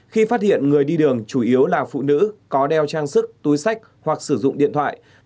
khi phát hiện người đi đường chủ yếu là phụ nữ có đeo trang sức túi sách hoặc sử dụng điện thoại